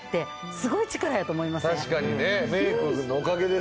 すごい事やと思いました。